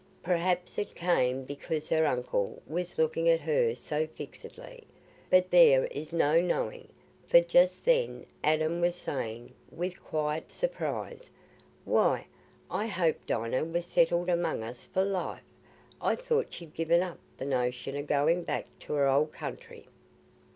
Perhaps it came because her uncle was looking at her so fixedly; but there is no knowing, for just then Adam was saying, with quiet surprise, "Why, I hoped Dinah was settled among us for life. I thought she'd given up the notion o' going back to her old country."